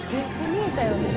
「見えたよね？」